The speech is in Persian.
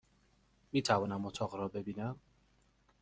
میتوانم اتاق را ببینم؟